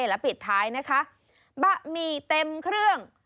แล้วปิดท้ายนะคะบะหมี่เต็มเครื่อง